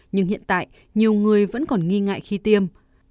nhưng hiện tại nhiều người vẫn còn nghi ngại khi tiêm